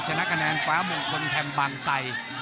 และมุมคนแถมบางไซด์